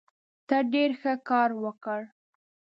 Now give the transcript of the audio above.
ته ډېر ښه کار وکړ.